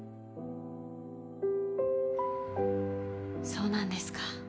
そうなんですか。